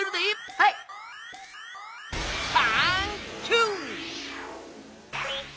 はい！タンキュー！